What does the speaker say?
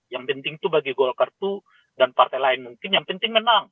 yang penting bagi golkartu dan partai lain mungkin yang penting menang